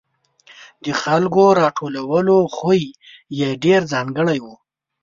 د خلکو راټولولو خوی یې ډېر ځانګړی و.